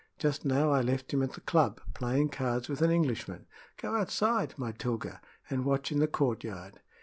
Just now I left him at the club, playing cards with an Englishman. Go outside, my Tilga, and watch in the courtyard."